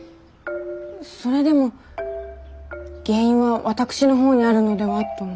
それでも原因は私のほうにあるのではと思います。